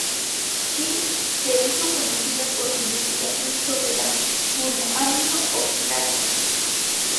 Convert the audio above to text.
Shih se hizo conocida por su investigación sobre la monoamino oxidasa.